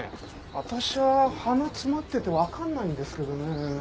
わたしゃ鼻詰まってて分かんないんですけどね。